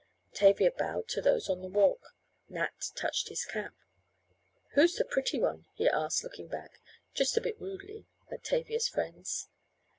Tavia bowed to those on the walk. Nat touched his cap. "Who's the pretty one?" he asked, looking back, just a bit rudely, at Tavia's friends.